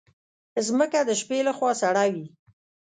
مځکه د شپې له خوا سړه وي.